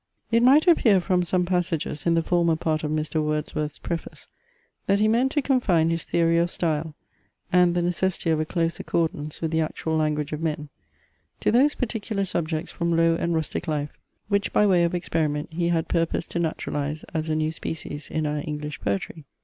It might appear from some passages in the former part of Mr. Wordsworth's preface, that he meant to confine his theory of style, and the necessity of a close accordance with the actual language of men, to those particular subjects from low and rustic life, which by way of experiment he had purposed to naturalize as a new species in our English poetry.